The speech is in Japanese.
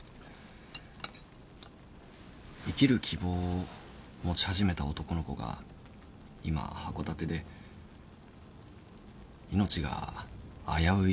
生きる希望を持ち始めた男の子が今函館で命が危うい状況で。